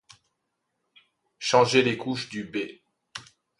Changer les couches du b